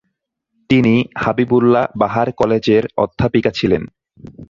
তিনি হাবিবুল্লাহ বাহার কলেজের অধ্যাপিকা ছিলেন।